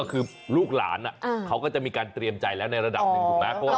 คือลูกหลานเขาก็จะมีการเตรียมใจแล้วในระดับหนึ่งถูกไหม